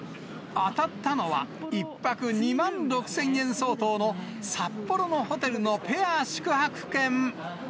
当たったのは１泊２万６０００円相当の札幌のホテルのペア宿泊券。